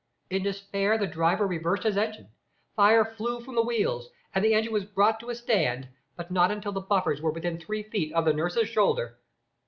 In despair the driver reversed his engine; fire flew from the wheels, and the engine was brought to a stand, but not until the buffers were within three feet of the nurse's shoulder.